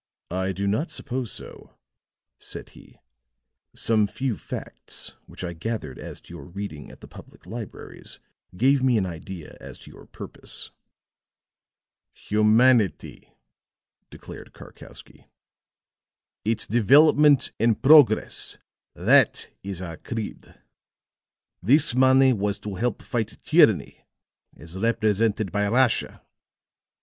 "I do not suppose so," said he. "Some few facts which I gathered as to your reading at the public libraries gave me an idea as to your purpose." "Humanity," declared Karkowsky, "its development and progress! that is our creed. This money was to help fight tyranny as represented by Russia.